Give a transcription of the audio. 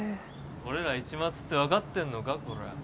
俺ら市松って分かってんのかこらぁ。